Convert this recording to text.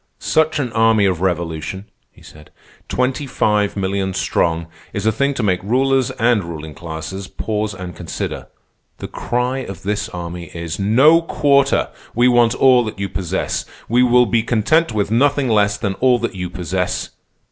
"Such an army of revolution," he said, "twenty five millions strong, is a thing to make rulers and ruling classes pause and consider. The cry of this army is: 'No quarter! We want all that you possess. We will be content with nothing less than all that you possess.